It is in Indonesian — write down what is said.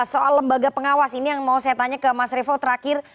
soal lembaga pengawas ini yang mau saya tanya ke mas revo terakhir